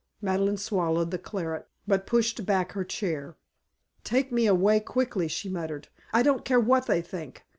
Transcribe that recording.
Madeleine swallowed the claret but pushed back her chair. "Take me away quickly," she muttered. "I don't care what they think.